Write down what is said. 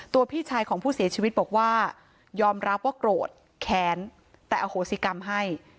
พี่ชายของผู้เสียชีวิตบอกว่ายอมรับว่าโกรธแค้นแต่อโหสิกรรมให้